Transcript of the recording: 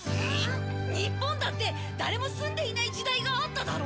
日本だって、誰も住んでいない時代があっただろ。